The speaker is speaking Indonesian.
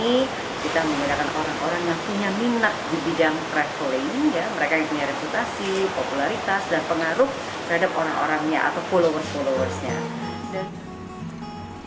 mereka yang punya reputasi popularitas dan pengaruh terhadap orang orangnya atau followers followersnya